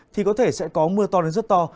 thì có thể sẽ có mưa to đến rất to